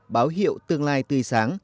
báo hiệu tương lai tươi sáng